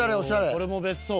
これも別荘？